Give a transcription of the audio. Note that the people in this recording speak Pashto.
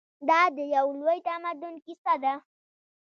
دا د یو لوی تمدن کیسه ده.